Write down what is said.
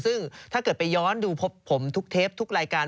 ซึ่งถ้าเกิดไปย้อนดูผมทุกเทปทุกรายการ